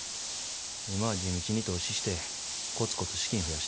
今は地道に投資してコツコツ資金増やしてる。